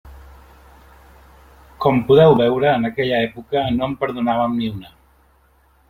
Com podeu veure, en aquella època no en perdonàvem ni una.